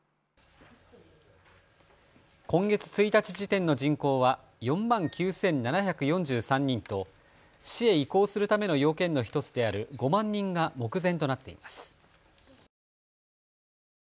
今月１日時点の人口は４万９７４３人と市へ移行するための要件の１つである５万人が目前となっています。